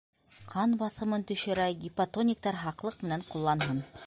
Ҡан баҫымын төшөрә, гипотониктар һаҡлыҡ менән ҡулланһын.